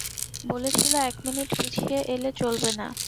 বলেছিল, এক মিনিট পিছিয়ে এলে চলবে না।